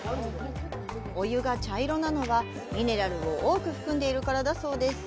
お湯が茶色なのは、ミネラルを多く含んでいるからだそうです。